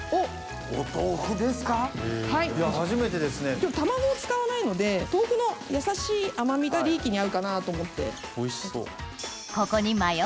今日卵を使わないので豆腐のやさしい甘みがリーキに合うかなぁと思って。